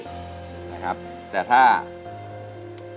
ใช่ครับ